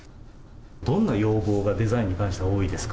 どんな要望がデザインに関しては多いですか？